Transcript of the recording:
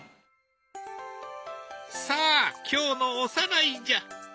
さあ今日のおさらいじゃ。